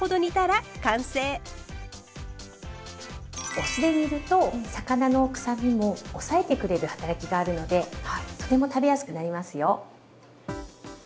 お酢で煮ると魚のくさみも抑えてくれる働きがあるのでとても食べやすくなりますよ。